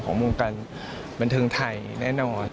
วงการบันเทิงไทยแน่นอน